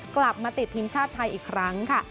กลับมาติดทีมชาติไทยอีกครั้งค่ะ